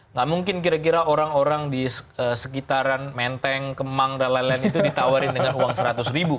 nggak mungkin kira kira orang orang di sekitaran menteng kemang dan lain lain itu ditawarin dengan uang seratus ribu